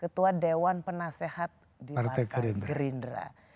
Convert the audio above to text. ketua dewan penasehat di partai gerindra